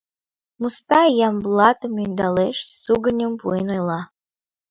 Мустай Ямблатым ӧндалеш, сугыньым пуэн ойла: